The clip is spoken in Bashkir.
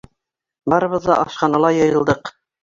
Барыбыҙ ҙа ашханала йыйылдыҡ.